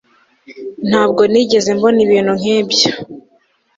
Ntabwo nigeze mbona ibintu nkibyo